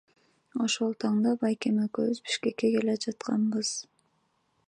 Ошол таңда байкем экөөбүз Бишкекке келе жатканбыз.